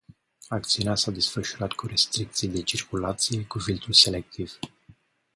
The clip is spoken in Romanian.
Acțiunea s-a desfășurat cu restricții de circulație, cu filtru selectiv.